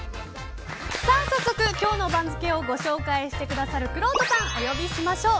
早速今日の番付をご紹介してくださるくろうとさんをお呼びしましょう。